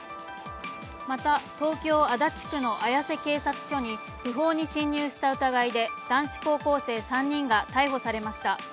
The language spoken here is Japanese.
また東京・足立区の綾瀬警察署に不法に侵入した疑いで男子高校生３人が逮捕されました。